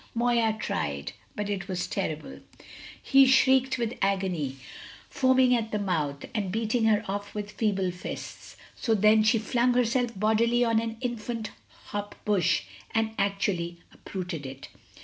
Moya tried; but it was terrible; he shrieked with agony, foaming at the mouth, and beating her off with feeble fists. So then she flung herself bodily on an infant hop bush, and actually uprooted it.